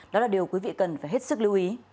đó là điều quý vị cần phải hết sức lưu ý